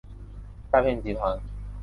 诈骗集团